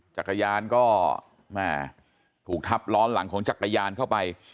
จักรยานก็แม่ถูกทับล้อหลังของจักรยานเข้าไป